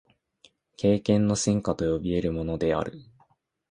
経験の深化と呼び得るものである。